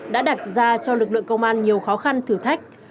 đã đặt ra cho lực lượng công an nhiều khó khăn thử thách